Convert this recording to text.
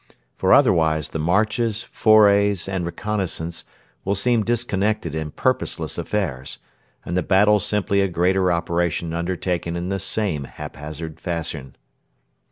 For otherwise the marches, forays, and reconnaissance will seem disconnected and purposeless affairs, and the battle simply a greater operation undertaken in the same haphazard fashion.